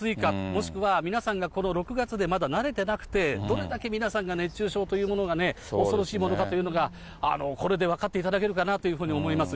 もしくは皆さんが、この６月でまだ慣れてなくて、どれだけ皆さんが熱中症というものがね、恐ろしいものかというのが、これで分かっていただけるかなというふうに思います。